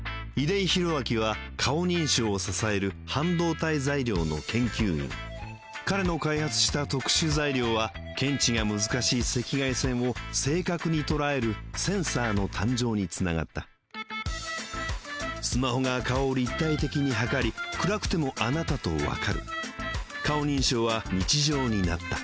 出井宏明は顔認証を支える半導体材料の研究員彼の開発した特殊材料は検知が難しい赤外線を正確に捉えるセンサーの誕生につながったスマホが顔を立体的に測り暗くてもあなたとわかる顔認証は日常になった